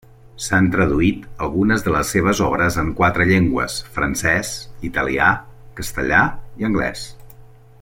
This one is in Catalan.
S'han traduït algunes de les seves obres en quatre llengües: francès, italià, castellà i anglès.